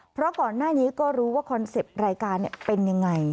เพราะก่อนหน้านี้ก็รู้ว่าคอนเซ็ปต์รายการเป็นยังไง